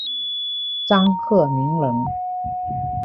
张鹤鸣人。